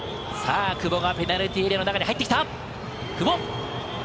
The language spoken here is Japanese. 久保がペナルティーエリアの中に入ってきた久保。